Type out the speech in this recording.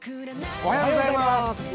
おはようございます。